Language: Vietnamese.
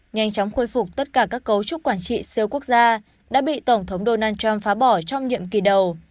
nhanh chóng khôi phục tất cả các cấu trúc quản trị siêu quốc gia đã bị tổng thống donald trump phá bỏ trong nhiệm kỳ đầu